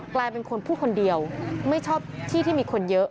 กลายเป็นคนพูดคนเดียวไม่ชอบที่ที่มีคนเยอะ